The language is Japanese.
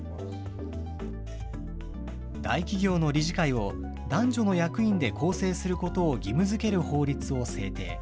大企業の理事会を、男女の役員で構成することを義務づける法律を制定。